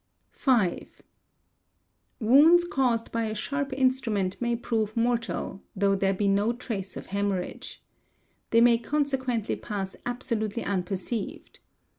5. Wounds caused by a sharp instrument may prove mortal, though there be no trace of hemorrhage. 'They may con sequently pass absolutely unperceived.